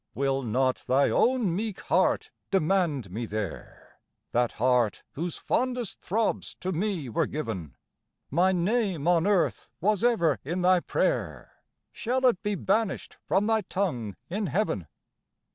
Will not thy own meek heart demand me there? That heart whose fondest throbs to me were given? My name on earth was ever in thy prayer, Shall it be banished from thy tongue in heaven?